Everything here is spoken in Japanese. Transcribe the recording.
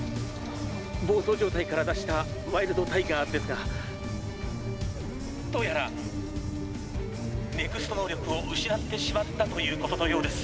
暴走状態から脱したワイルドタイガーですがどうやらＮＥＸＴ能力を失ってしまったということのようです」。